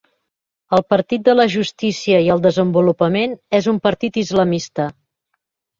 El Partit de la Justícia i el Desenvolupament és un partit islamista.